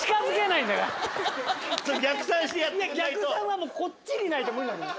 いや逆算はもうこっちにないと無理なのよ。